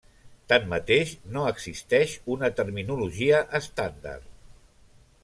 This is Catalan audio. Tanmateix, no existeix una terminologia estàndard.